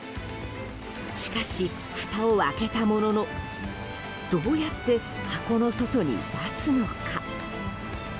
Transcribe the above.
しかし、ふたを開けたもののどうやって箱の外に出すのか。